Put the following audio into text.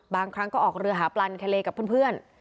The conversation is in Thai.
บางครั้งก็ออกเรือหาปลานทะเลกับเพื่อน